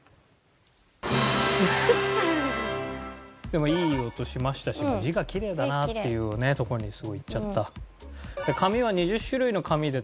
でもいい音しましたし字がキレイだなっていうとこにすごいいっちゃった。